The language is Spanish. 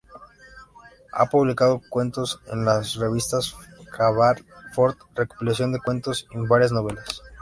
Ha publicado cuentos en la revista "Cavall Fort", recopilaciones de cuentos y varias novelas.